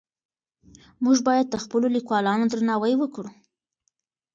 موږ باید د خپلو لیکوالانو درناوی وکړو.